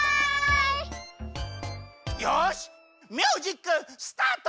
よしミュージックスタート！